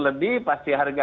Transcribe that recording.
lebih pasti hargakan